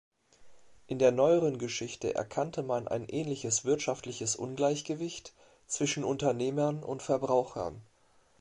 In der neueren Geschichte erkannte man ein ähnliches wirtschaftliches Ungleichgewicht zwischen Unternehmern und Verbrauchern.